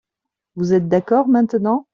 Vous êtes d'accord maintenant ?